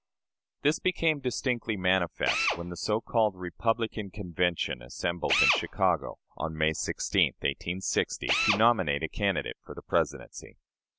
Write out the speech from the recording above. This became distinctly manifest when the so called "Republican" Convention assembled in Chicago, on May 16, 1860, to nominate a candidate for the Presidency.